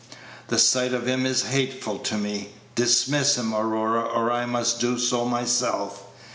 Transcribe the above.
The sight of him is hateful to me. Dismiss him, Aurora, or I must do so myself."